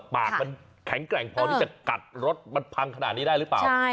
ปากมันแข็งแกร่งพอที่จะกัดรถมันพังขนาดนี้ได้หรือเปล่า